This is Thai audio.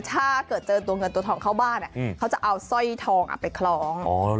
ถ้าเกิดเจอตัวเงินตัวทองเข้าบ้านเขาจะเอาสร้อยทองไปคล้อง